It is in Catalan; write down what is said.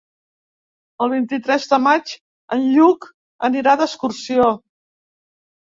El vint-i-tres de maig en Lluc anirà d'excursió.